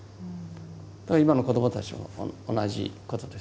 だから今の子どもたちも同じことです。